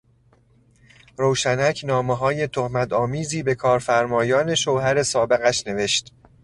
روشنک نامههای تهمتآمیزی به کارفرمایان شوهر سابقش نوشت.